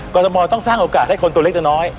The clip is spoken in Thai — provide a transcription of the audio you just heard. กรทมต้องสร้างโอกาสให้คนตัวเล็กตัวน้อย